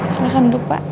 silahkan duduk pak